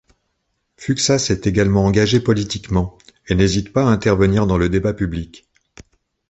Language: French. Fuksas est également engagé politiquement et n'hésite pas à intervenir dans le débat public.